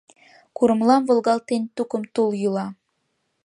Курымлам волгалтен, тукым тул йӱла